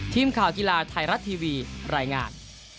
ทีมข่าวกีฬาไทยรัฐทีวีรายงาน